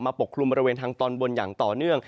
ปกคลุมบริเวณทางตอนบนอย่างต่อเนื่อง